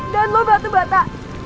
dan lo batu bata